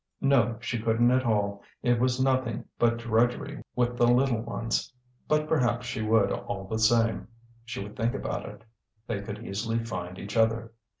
No, she couldn't at all, it was nothing but drudgery with the little ones; but perhaps she would, all the same; she would think about it: they could easily find each other.